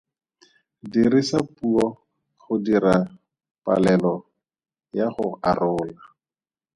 Dirisa puo go dira palelo ya go arola.